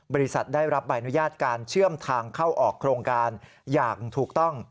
บริษัทได้รับใบอนุญาตการเชื่อมทางเข้าออกโครงการอย่างถูกต้อง